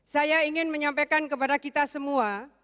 saya ingin menyampaikan kepada kita semua